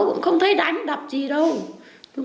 cũng không thấy đánh đập gì đâu